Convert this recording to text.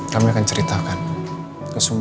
kami akan ceritakan ke semua